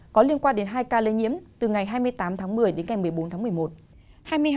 có liên quan đến hai ca lây nhiễm từ ngày hai mươi tám tháng một mươi đến ngày một mươi bốn tháng một mươi một